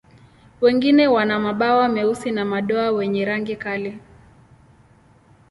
Wengine wana mabawa meusi na madoa wenye rangi kali.